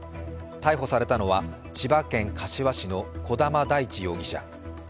逮捕されたのは、千葉県柏市の児玉大地容疑者。